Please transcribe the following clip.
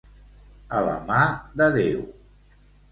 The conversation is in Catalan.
A la mà de Déu.